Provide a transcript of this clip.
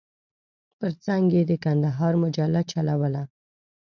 پر څنګ یې د کندهار مجله چلوله.